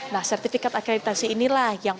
nah sertifikat akreditasi inilah yang